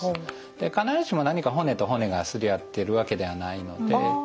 必ずしも何か骨と骨が擦り合ってるわけではないので。